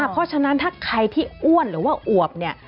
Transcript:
เพราะฉะนั้นถ้าใครที่อ้วนหรือว่าอวบเนี่ย